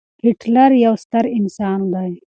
هېټلر يو ستر انسان دی.